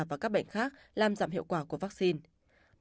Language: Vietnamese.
và các bệnh khác làm giảm hiệu quả của vaccine